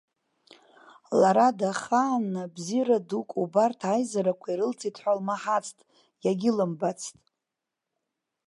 Лара дахаанны бзиара дук убарҭ аизарақәа ирылҵит ҳәа лмаҳацт, иагьылымбацт.